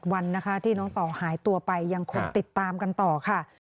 วันนะคะที่น้องต่อหายตัวไปยังคงติดตามกันต่อค่ะ